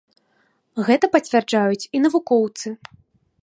Гэта пацвярджаюць і навукоўцы.